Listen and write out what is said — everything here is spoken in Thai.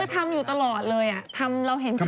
คือทำอยู่ตลอดเลยอะทำเราเห็นใครอยู่ไหนน้อง